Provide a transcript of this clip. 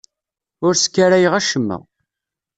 Ur sskarayeɣ acemma.